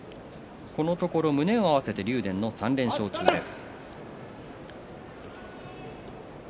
このところ胸を合わせて竜電の３連勝中です。